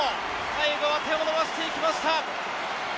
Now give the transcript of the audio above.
最後は手を伸ばしていきました。